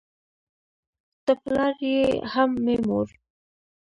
ته پلار یې هم مې مور